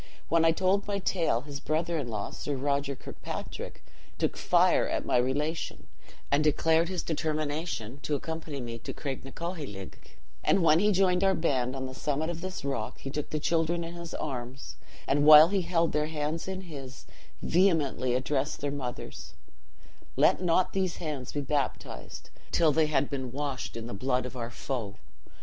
When I told my tale, his brother in law, Sir Roger Kirkpatrick, took fire at my relation, and declared his determination to accompany me to Craignacoheilg; and when he joined our band on the summit of this rock, he took the children in his arms, and while he held their hands in his, vehemently addressed their mothers, 'Let not these hands be baptized, till they had been washed in the blood of our foe.